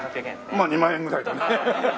まあ２万円ぐらいだね。